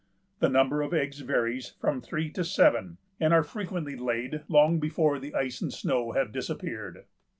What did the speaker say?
The number of eggs varies from three to seven, and are frequently laid long before the ice and snow have disappeared.